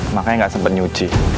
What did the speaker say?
makanya gak sempet nyuci